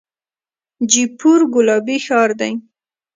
جیپور ګلابي ښار دی.